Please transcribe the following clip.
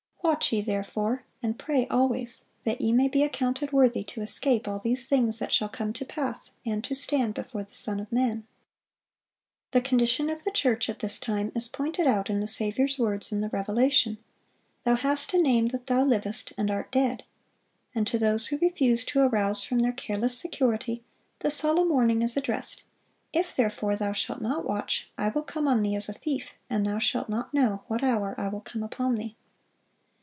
"Watch ye therefore, and pray always, that ye may be accounted worthy to escape all these things that shall come to pass, and to stand before the Son of man."(491) The condition of the church at this time is pointed out in the Saviour's words in the Revelation, "Thou hast a name that thou livest, and art dead."(492) And to those who refuse to arouse from their careless security, the solemn warning is addressed, "If therefore thou shalt not watch, I will come on thee as a thief, and thou shalt not know what hour I will come upon thee."